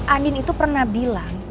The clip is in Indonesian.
andin itu pernah bilang